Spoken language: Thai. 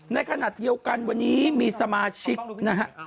ในขณะเดียวกันวันนี้มีสมาชิกนะฮะ